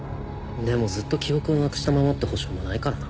でもずっと記憶をなくしたままって保証もないからな。